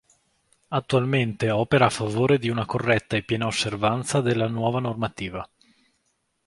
Attualmente opera a favore di una corretta e piena osservanza della nuova normativa.